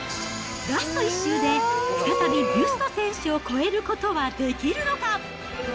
ラスト１週で再びビュスト選手を超えることはできるのか。